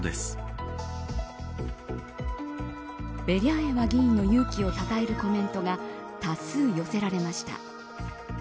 ベリャーエワ議員の勇気をたたえるコメントが多数寄せられました。